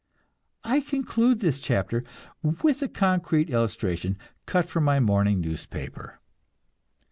I conclude this chapter with a concrete illustration, cut from my morning newspaper.